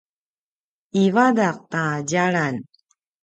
ivadaq ta djalan